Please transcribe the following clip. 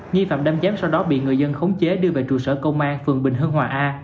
nghi phạm đâm chém sau đó bị người dân khống chế đưa về trụ sở công an phường bình hưng hòa a